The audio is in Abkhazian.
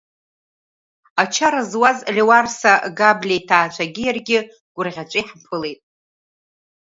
Ачара зуаз Леуарса Габлиа иҭаацәагьы иаргьы гәырӷьаҵәа иаҳԥылеит.